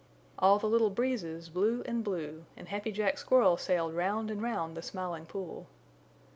All the little Breezes blew and blew and Happy Jack Squirrel sailed round and round the Smiling Pool.